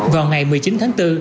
vào ngày một mươi chín tháng bốn